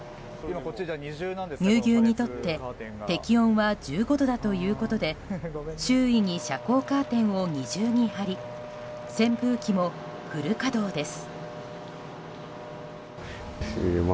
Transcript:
乳牛にとって適温は１５度だということで周囲に遮光カーテンを２重に貼り扇風機もフル稼働です。